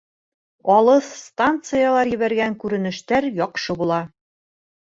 Алыҫ станциялар ебәргән күренештәр яҡшы була